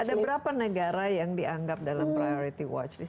ada berapa negara yang dianggap dalam priority watch list